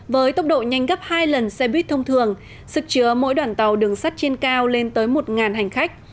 với tốc độ nhanh gấp hai lần xe buýt thông thường sức chứa mỗi đoàn tàu đường sắt trên cao lên tới một hành khách